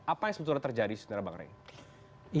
apa yang sebetulnya terjadi sebenarnya bang rey